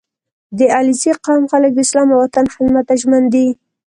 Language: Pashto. • د علیزي قوم خلک د اسلام او وطن خدمت ته ژمن دي.